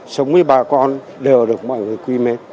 sống với bà con đều được mọi người quy mế